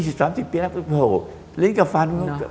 ส่วนใหญ่ทะเลาะกันเรื่องอะไรครับ